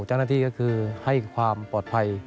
เจ้าหน้าที่ก็คือให้ความปลอดภัย